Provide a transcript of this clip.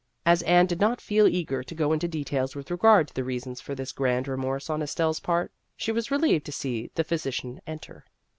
As Anne did not feel eager to go into details with regard to the reasons for this grand remorse on Estelle's part, she was relieved to see the physician enter.